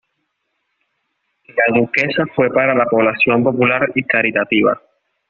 La duquesa fue para la población popular y caritativa.